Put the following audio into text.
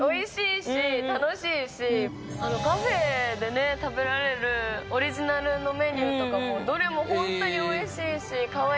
カフェで食べられるオリジナルのメニューとかもどれもホントにおいしいしかわいくて。